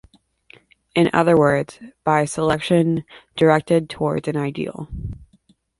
In other words, by selection directed towards an ideal.